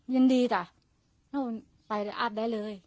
ยินดีจ้ะไปอาบได้เลย